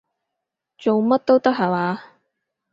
做乜都得下話？